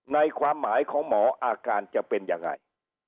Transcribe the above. ความหมายของหมออาการจะเป็นยังไง